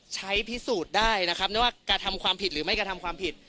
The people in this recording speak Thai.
ใช้พิสูจน์ได้นะครับไม่ว่ากระทำความผิดหรือไม่กระทำความผิด